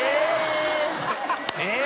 えっ！